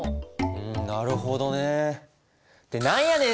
うんなるほどね。って何やねん！